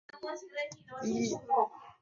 萨伏伊王朝第六任国王。